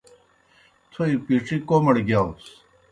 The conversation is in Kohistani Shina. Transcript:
تھوئے پِڇِی کوْمَڑ گِیاؤس۔